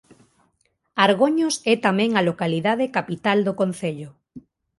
Argoños é tamén a localidade capital do concello.